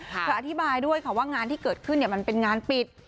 อธิบายด้วยค่ะว่างานที่เกิดขึ้นมันเป็นงานปิด